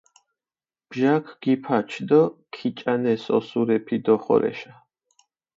ბჟაქ გიფაჩ დო ქიჭანეს ოსურეფი დოხორეშა.